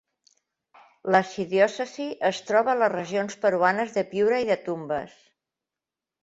L'arxidiòcesi es troba a les regions peruanes de Piura i de Tumbes.